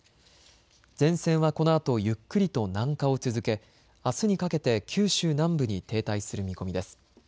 前線はこのあとゆっくりと南下を続け、あすにかけて九州南部に停滞する見込みです。